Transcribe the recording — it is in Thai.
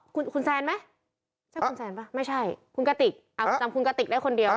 คุณคุณแซนไหมใช่คุณแซนป่ะไม่ใช่คุณกติกจำคุณกติกได้คนเดียว